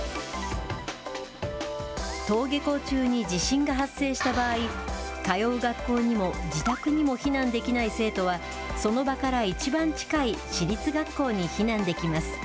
登下校中に地震が発生した場合、通う学校にも自宅にも避難できない生徒はその場から一番近い私立学校に避難できます。